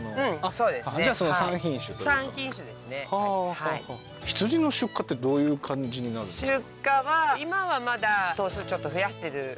そうですねじゃあその３品種はあーはあはあ羊の出荷ってどういう感じになるんですか？